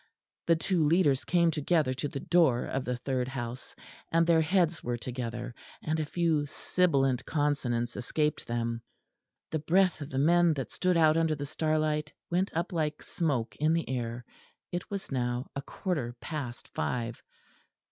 The two leaders came together to the door of the third house, and their heads were together; and a few sibilant consonants escaped them. The breath of the men that stood out under the starlight went up like smoke in the air. It was now a quarter past five.